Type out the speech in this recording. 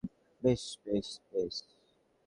বেশ, বেশ, বেশ।